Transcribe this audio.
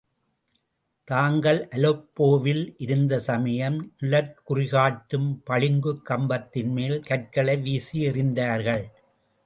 தாங்கள் அலெப்போவில் இருந்த சமயம், நிழற்குறிகாட்டும் பளிங்குக் கம்பத்தின்மேல் கற்களை வீசியெறிந்தார்கள்.